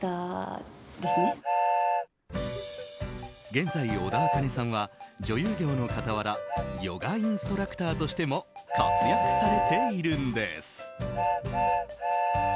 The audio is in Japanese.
現在、小田茜さんは女優業の傍らヨガインストラクターとしても活躍されているんです。